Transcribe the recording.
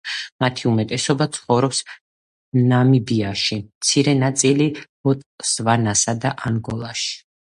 მათი უმეტესობა ცხოვრობს ნამიბიაში, მცირე ნაწილი ბოტსვანასა და ანგოლაში.